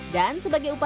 dan sebagai obat